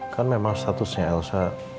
kan memang statusnya elsa